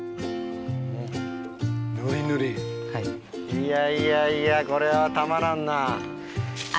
いやいやいやこれはたまらんなあ。